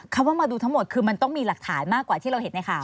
คำว่ามาดูทั้งหมดคือมันต้องมีหลักฐานมากกว่าที่เราเห็นในข่าว